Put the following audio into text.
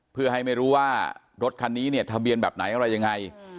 เพื่อให้ไม่รู้ว่ารถคันนี้เนี่ยทะเบียนแบบไหนอะไรยังไง